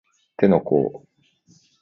手の甲